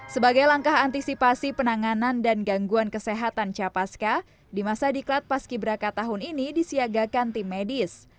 sebagai langkah antisipasi penanganan dan gangguan kesehatan capaska di masa diklat paski braka tahun ini disiagakan tim medis